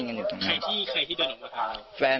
พระงั้นตามวิ่งออกมา